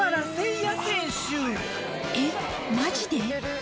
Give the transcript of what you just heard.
えっマジで？